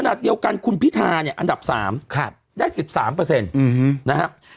ขณะเดียวกันคุณพิธาเนี่ยอันดับ๓ได้๑๓นะครับ